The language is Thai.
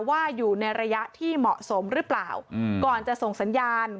ว่าอยู่ในระยะที่เหมาะสมหรือเปล่าก่อนจะส่งสัญญาณ